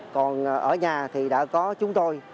còn ở nhà thì đã có chúng tôi